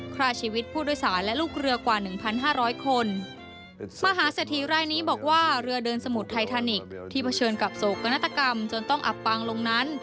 ที่เผชิญกับโศกกนตรกรรมจนต้องอับปังลงนั้น